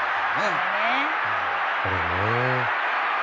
これね。